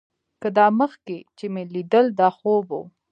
که دا مخکې چې مې ليدل دا خوب و.